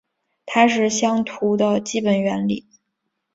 它是相图的基本原理。